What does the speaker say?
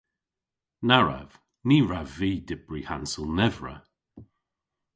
Na wrav. Ny wrav vy dybri hansel nevra.